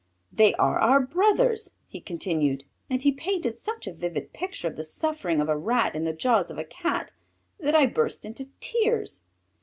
"They are our brothers," he continued. And he painted such a vivid picture of the suffering of a Rat in the jaws of a Cat that I burst into tears.